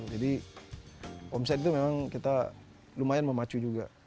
jadi omset itu memang kita lumayan memacu juga